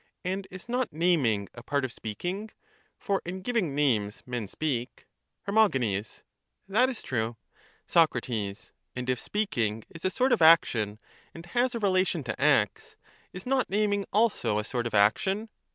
And is not naming a part of speaking? for in giving names men speak. Her. That is true. Soc. And if speaking is a sort of action and has a relation to acts, is not naming also a sort of action?